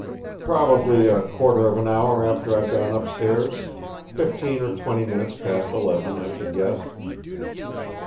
"Probably, a quarter of an hour after I'd gone upstairs fifteen or twenty minutes past eleven, I should guess."